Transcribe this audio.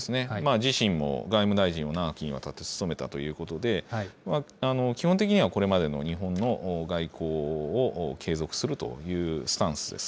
自身も外務大臣を長きにわたって務めたということで、基本的にはこれまでの日本の外交を継続するというスタンスです。